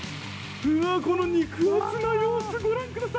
この肉厚の様子、ご覧ください。